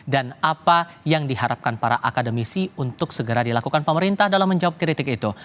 dan apa yang diharapkan para akademisi untuk segera dilakukan pemerintah dalam menjawab kritik itu